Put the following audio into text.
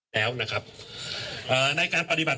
แล้วนะครับในการปฏิบัติ